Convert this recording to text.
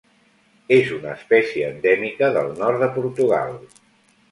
És una espècie endèmica del nord de Portugal.